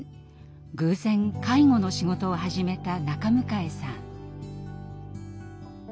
偶然介護の仕事を始めた中迎さん。